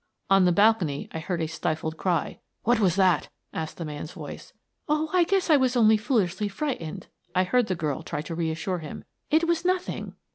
On the balcony I heard a stifled cry. " What was that? " asked the man's voice. " Oh, I guess I was only foolishly frightened," I heard the girl try to reassure him. " It was noth mg.